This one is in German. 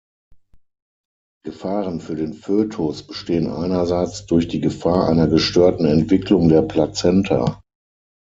Gefahren für den Fötus bestehen einerseits durch die Gefahr einer gestörten Entwicklung der Plazenta.